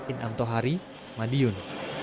inam tohari madiun